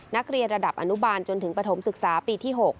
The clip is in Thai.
นักเรียนระดับอนุบาลจนถึงปฐมศึกษาปีที่๖